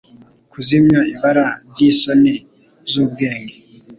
Kuzimya ibara ryisoni zubwenge,